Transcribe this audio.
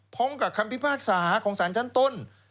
พร้อมกับคำพิพากษาของสารชั้นต้น